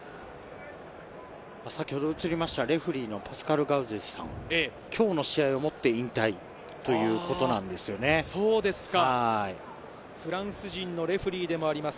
先ほど映りましたレフリーのパスカル・ガウゼル、今日の試合をもって引退ということなんフランス人のレフェリーでもあります。